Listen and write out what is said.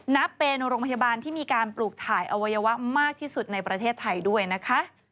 นับเป็นโรงพยาบาลที่มีการปลูกถ่ายอวัยวะมากที่สุดในประเทศไทยด้วยนะคะ